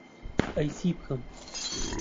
ئەی چی بکەم؟